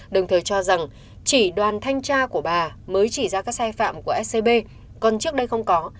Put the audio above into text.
đồng thời cho rằng chỉ đoàn thanh tra của bà mới chỉ ra các sai phạm của scb còn trước đây không có